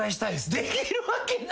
できるわけないやろ！